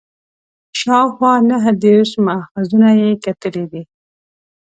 شاوخوا نهه دېرش ماخذونه یې کتلي دي.